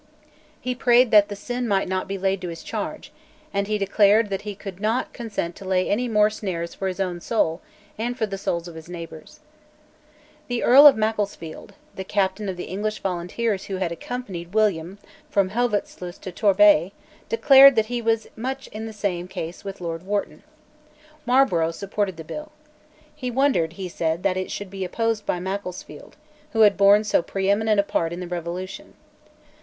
He prayed that the sin might not be laid to his charge; and he declared that he could not consent to lay any more snares for his own soul and for the souls of his neighbours. The Earl of Macclesfield, the captain of the English volunteers who had accompanied William from Helvoetsluys to Torbay, declared that he was much in the same case with Lord Wharton. Marlborough supported the bill. He wondered, he said, that it should be opposed by Macclesfield, who had borne so preeminent a part in the Revolution.